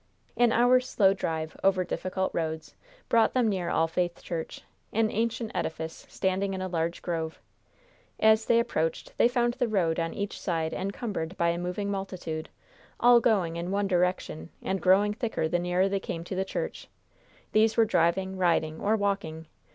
An hour's slow drive over difficult roads brought them near All Faith Church, an ancient edifice standing in a large grove. As they approached they found the road on each side encumbered by a moving multitude, all going in one direction, and growing thicker the nearer they came to the church. These were driving, riding, or walking.